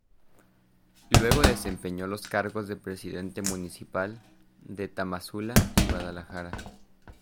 Luego desempeñó los cargos de presidente municipal de Tamazula y Guadalajara.